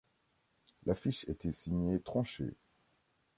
L'affiche était signée Tronchet.